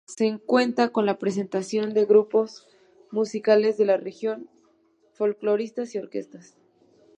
Se cuenta con la presentación de grupos musicales de la región, folcloristas y orquestas.